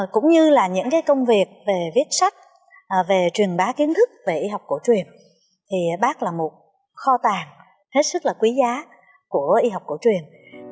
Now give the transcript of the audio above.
cũng như là những công việc về viết sách về truyền bá kiến thức về y học cổ truyền thì bác là một kho tàng hết sức là quý giá của y học cổ truyền